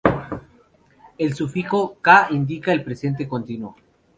El sufijo -ka indica el presente continuo.